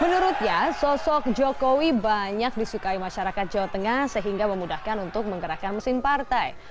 menurutnya sosok jokowi banyak disukai masyarakat jawa tengah sehingga memudahkan untuk menggerakkan mesin partai